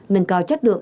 nâng cao chất lượng